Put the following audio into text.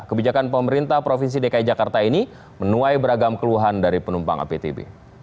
kebijakan pemerintah provinsi dki jakarta ini menuai beragam keluhan dari penumpang aptb